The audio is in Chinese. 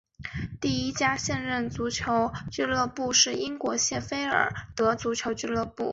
第一家现代足球俱乐部是英国谢菲尔德足球俱乐部。